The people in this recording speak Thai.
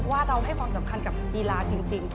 ว่าเราให้ความสำคัญกับกีฬาจริง